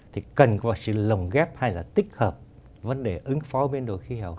thì cần có sự lồng ghép hay là tích hợp vấn đề ứng phó với biến đổi khí hậu